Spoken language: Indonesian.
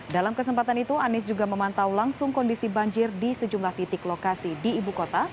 dalam kesempatan itu anies juga memantau langsung kondisi banjir di sejumlah titik lokasi di ibu kota